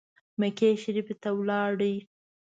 مکې شریفي ته ولاړ.